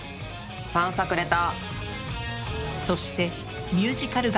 ファンサくれた。